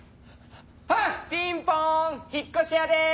ピンポン引っ越し屋です。